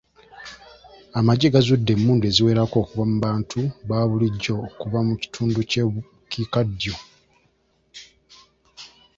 Amagye gaazudde emundu eziwerako mu bantu ba bulijja okuva mu kitundu ky'obukiikaddyo.